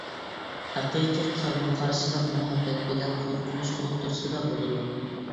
ھەقىقىي قارىمۇقارشىلىق مۇھەببەت بىلەن قورقۇنچ ئوتتۇرىسىدا بولىدۇ.